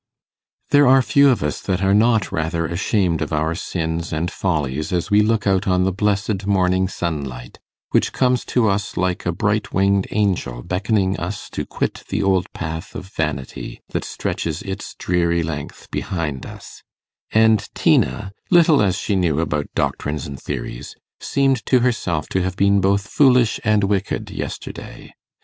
There are few of us that are not rather ashamed of our sins and follies as we look out on the blessed morning sunlight, which comes to us like a bright winged angel beckoning us to quit the old path of vanity that stretches its dreary length behind us; and Tina, little as she knew about doctrines and theories, seemed to herself to have been both foolish and wicked yesterday.